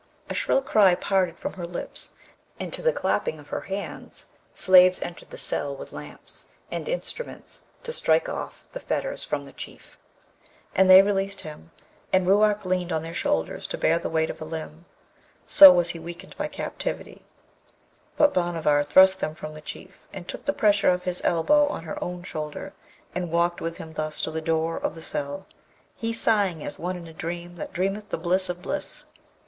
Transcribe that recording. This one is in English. A shrill cry parted from her lips, and to the clapping of her hands slaves entered the cell with lamps, and instruments to strike off the fetters from the Chief; and they released him, and Ruark leaned on their shoulders to bear the weight of a limb, so was he weakened by captivity; but Bhanavar thrust them from the Chief, and took the pressure of his elbow on her own shoulder, and walked with him thus to the door of the cell, he sighing as one in a dream that dreameth the bliss of bliss.